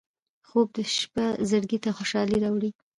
خوب د شپه زړګي ته خوشالي راوړي